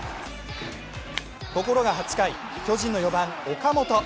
ところが８回、巨人の４番・岡本。